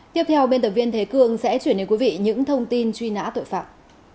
tiếp theo biên tập viên thế cường sẽ chuyển đến quý vị những thông tin truy nã tội phạm